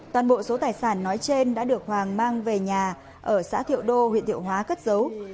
toàn bộ số tài sản nói trên đã được hoàng mang về nhà ở xã thiệu đô huyện thiệu hóa cất giấu